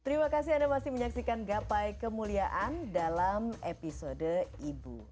terima kasih anda masih menyaksikan gapai kemuliaan dalam episode ibu